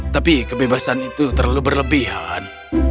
tapi kebebasan itu terlalu berlebihan